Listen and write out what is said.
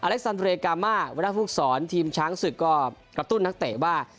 อเล็กซานเดรียกามาวัดภูกษรทีมช้างศึกก็กระตุ้นนักเตะว่า